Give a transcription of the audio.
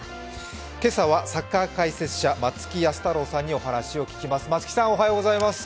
けさはサッカー解説者、松木安太郎さんにお話を伺います。